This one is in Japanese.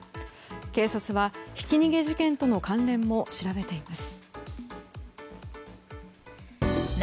警察は、ひき逃げ事件との関連も調べています。